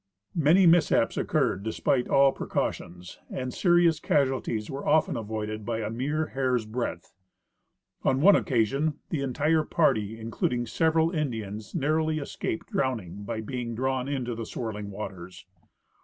Many mishaps occurred despite all precautions, and serious casualties Avere often avoided by a mere hair's breadth. On one occasion the entire party, including several Indians, nar rowly escaped drowning by being drawn into the swirling waters.